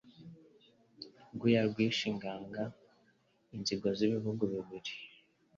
Rwuya rwishingaga inzigo Z'ibihugu bibiri.